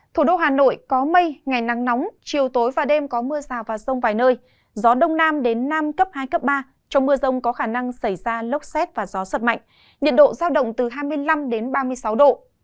thủ đô hà nội có mây ngày nắng nóng chiều tối và đêm có mưa rào và rông vài nơi gió đông nam đến nam cấp hai cấp ba trong mưa rông có khả năng xảy ra lốc xét và gió giật mạnh nhiệt độ giao động từ hai mươi năm đến ba mươi sáu độ